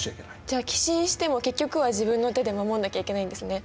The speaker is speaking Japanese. じゃあ寄進しても結局は自分の手で守んなきゃいけないんですね。